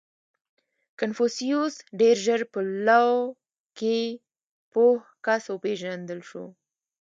• کنفوسیوس ډېر ژر په لو کې پوه کس وپېژندل شو.